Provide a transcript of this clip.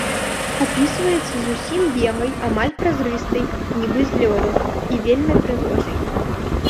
Апісваецца зусім белай, амаль празрыстай, нібы з лёду, і вельмі прыгожай.